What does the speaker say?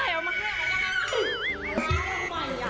คนคนอะขอใช่เราช่วยเหลือตลอดอะ